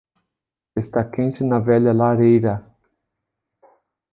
Está quente na velha lareira.